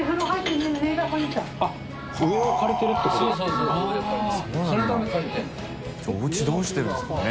犬磴おうちどうしてるんですかね？